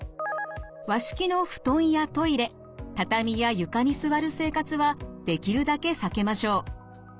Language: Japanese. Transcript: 和式の布団やトイレ畳や床に座る生活はできるだけ避けましょう。